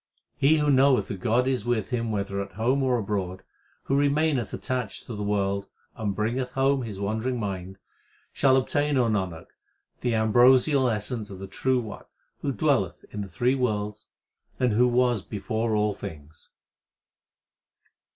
He who knoweth that God is with him whether at home or abroad, Who remaineth attached to the world and bringeth home his wandering mind, Shall obtain, O Nanak, the ambrosial essence of the True One who dwelleth in the three worlds, and who was before all things.